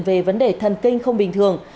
về vấn đề thần kinh không bình thường